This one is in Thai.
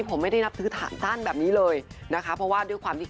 ผมไม่ได้นับถือสั้นแบบนี้เลยนะคะเพราะว่าด้วยความที่